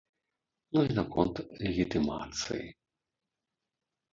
Ну і наконт легітымацыі.